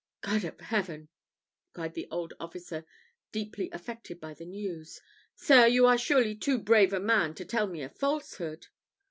"God of heaven!" cried the old officer, deeply affected by the news. "Sir, you are surely too brave a man to tell me a falsehood?"